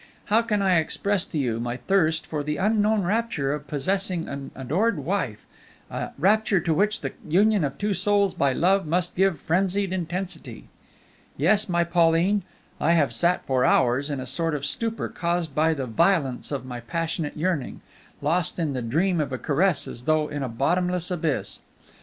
How can I express to you my thirst for the unknown rapture of possessing an adored wife, a rapture to which the union of two souls by love must give frenzied intensity. Yes, my Pauline, I have sat for hours in a sort of stupor caused by the violence of my passionate yearning, lost in the dream of a caress as though in a bottomless abyss.